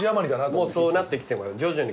もうそうなってきてる徐々に。